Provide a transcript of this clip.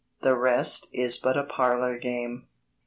The rest is but a parlour game.